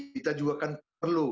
kita juga akan perlu